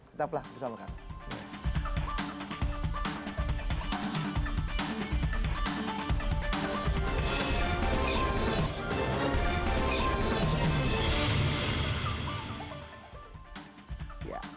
kita pelan bersama kami